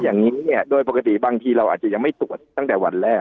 อย่างนี้เนี่ยโดยปกติบางทีเราอาจจะยังไม่ตรวจตั้งแต่วันแรก